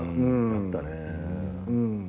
あったね。